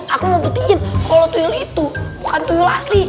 aku mau beritahu kalau tuyul itu bukan tuyul asli